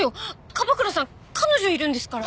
樺倉さん彼女いるんですから。